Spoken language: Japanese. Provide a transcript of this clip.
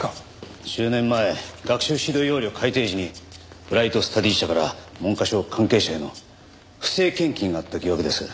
１０年前学習指導要領改訂時にブライトスタディ社から文科省関係者への不正献金があった疑惑です。